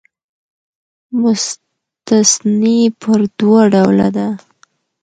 مستثنی پر دوه ډوله ده.